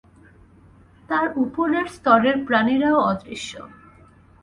তার উপরের স্তরের প্রাণীরাও অদৃশ্য।